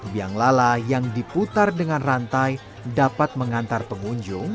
biang lala yang diputar dengan rantai dapat mengantar pengunjung